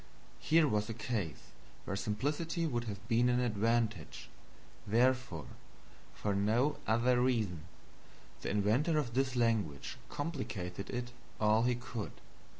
Here was a case where simplicity would have been an advantage; therefore, for no other reason, the inventor of this language complicated it all he could.